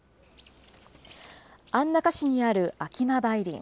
安中市にある秋間梅林。